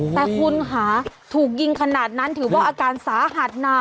แต่คุณค่ะถูกยิงขนาดนั้นถือว่าอาการสาหัสนะ